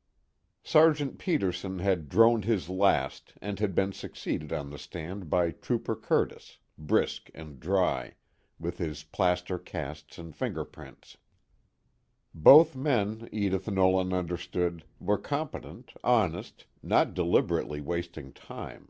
III Sergeant Peterson had droned his last and had been succeeded on the stand by Trooper Curtis, brisk and dry, with his plaster casts and fingerprints. Both men, Edith Nolan understood, were competent, honest, not deliberately wasting time.